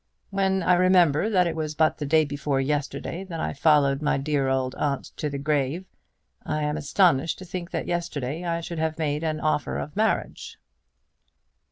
When I remember that it was but the day before yesterday that I followed my dear old aunt to the grave, I am astonished to think that yesterday I should have made an offer of marriage."